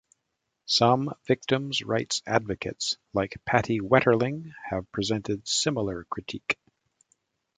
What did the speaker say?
Some victims' rights advocates like Patty Wetterling have presented similar critique.